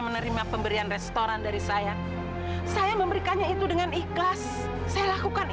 menerima pemberian restoran dari saya saya memberikannya itu dengan ikhlas saya lakukan